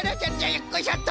よっこいしょっと！